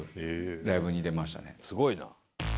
すごいな。